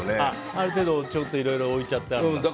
ある程度いろいろ置いちゃってあるんだ。